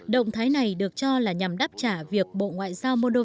động thái này được cho là nhằm đáp trả việc bộ ngoại giao moldo